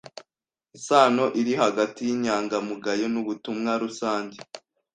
isano iri hagati yinyangamugayo nubutumwa rusange